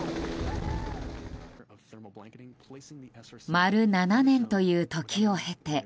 丸７年という時を経て。